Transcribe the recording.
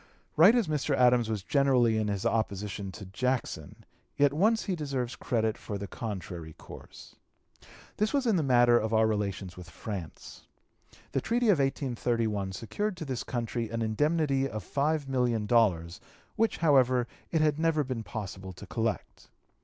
Right as Mr. Adams was generally in his opposition to Jackson, yet once he deserves credit for the contrary course. This was in the matter of our relations with France. The treaty of 1831 secured to this country an indemnity of $5,000,000, which, however, it had never been possible to collect.